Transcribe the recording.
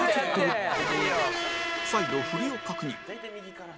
再度振りを確認